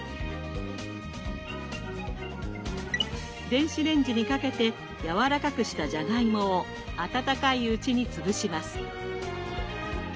電子レンジにかけてやわらかくしたじゃがいもを温かいうちに潰します。